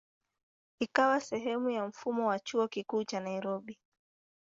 Ikawa sehemu ya mfumo wa Chuo Kikuu cha Nairobi.